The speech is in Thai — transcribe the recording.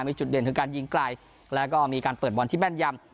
มีจุดเด่นคือการยิงไกลแล้วก็มีการเปิดบอลที่แม่นยำ